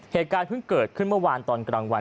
เหตุการณ์เพิ่งเกิดขึ้นเมื่อวานตอนกลางวัน